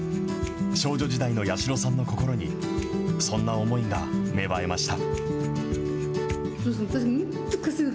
少女時代の八代さんの心にそんな思いが芽生えました。